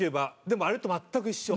でもあれと全く一緒。